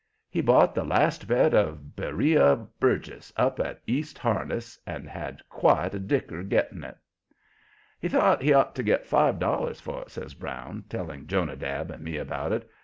He bought the last bed of Beriah Burgess, up at East Harniss, and had quite a dicker getting it. "He thought he ought to get five dollars for it," says Brown, telling Jonadab and me about it.